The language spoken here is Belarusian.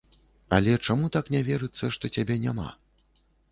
Але чаму так не верыцца што цябе няма?